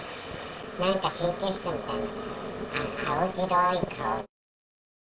なんか神経質みたいな、青白い顔。